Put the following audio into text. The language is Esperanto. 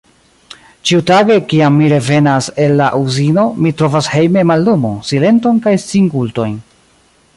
Ĉiutage, kiam mi revenas el la Uzino, mi trovas hejme mallumon, silenton kaj singultojn.